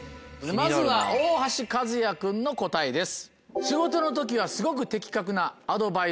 まずは大橋和也君の答えです。